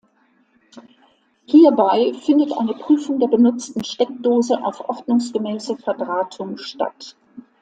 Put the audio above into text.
Hierbei findet eine Prüfung der benutzten Steckdose auf ordnungsgemäße Verdrahtung statt.